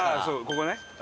ここね。